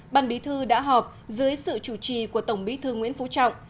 ban bí thư đã họp dưới sự chủ trì của tổng bí thư nguyễn phú trọng